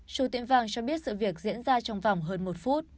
chủ tiệm vàng cho biết sự việc diễn ra trong vòng hơn một phút